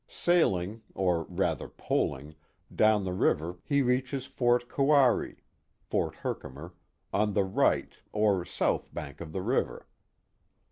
Sailing, or rather, poling, down the river he reaches Fort Kouari (Fort Herkimer) on the right or south bank of the tiver.